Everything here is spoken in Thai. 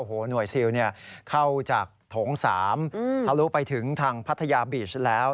โอ้โหหน่วยซิลเข้าจากโถง๓ทะลุไปถึงทางพัทยาบีชแล้ว